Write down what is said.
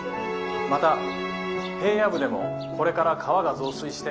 また平野部でもこれから川が増水して」。